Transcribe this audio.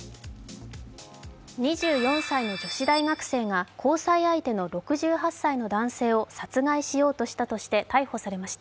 ２４歳の女子大学生が交際相手の６８歳の男性を殺害しようとしたとして逮捕されました。